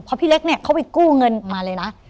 เพราะพี่เล็กเนี่ยเขาไปกู้เงินมาเลยนะ